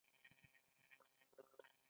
آیا په پښتونولۍ کې د مشرانو احترام واجب نه دی؟